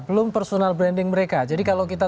belum personal branding mereka jadi kalau kita